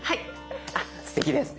あっすてきです。